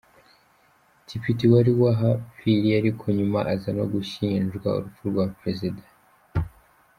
Tippitt wari wahaphiriye ariko nyuma aza no gushinjwa urupfu rwa Perezida.